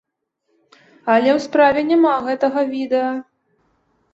Але ў справе няма гэтага відэа.